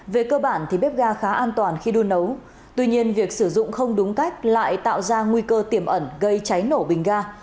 về cơ bản thì bếp ga khá an toàn khi đun nấu tuy nhiên việc sử dụng không đúng cách lại tạo ra nguy cơ tiềm ẩn gây cháy nổ bình ga